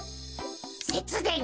せつでん。